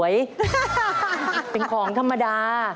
เปลี่ยนตัวเองกันสิเปลี่ยนตัวเองกันสิ